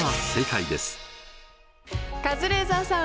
カズレーザーさん